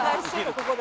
ここで。